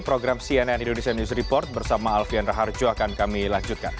program cnn indonesia news report bersama alfian raharjo akan kami lanjutkan